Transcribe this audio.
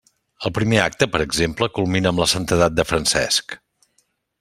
El primer acte, per exemple, culmina amb la santedat de Francesc.